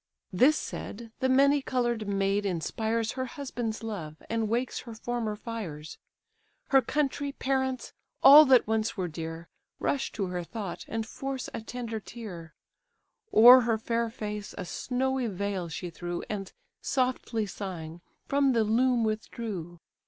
This said, the many coloured maid inspires Her husband's love, and wakes her former fires; Her country, parents, all that once were dear, Rush to her thought, and force a tender tear, O'er her fair face a snowy veil she threw, And, softly sighing, from the loom withdrew.